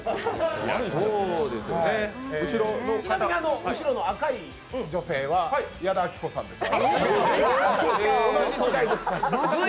ちなみに後ろの赤い女性は矢田亜希子さんです。